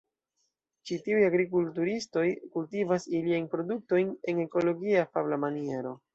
Ĉi tiuj agrikulturistoj kultivas iliajn produktojn en ekologie afabla maniero.